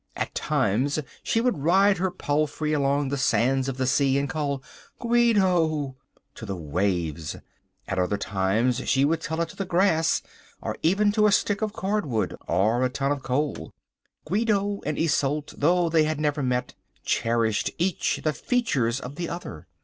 At times she would ride her palfrey along the sands of the sea and call "Guido" to the waves! At other times she would tell it to the grass or even to a stick of cordwood or a ton of coal. Guido and Isolde, though they had never met, cherished each the features of the other.